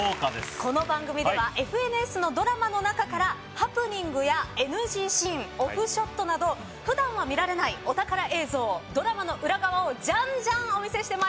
この番組ではＦＮＳのドラマの中からハプニングやＮＧシーンオフショットなど普段は見られないお宝映像ドラマの裏側をじゃんじゃんお見せしてまいります。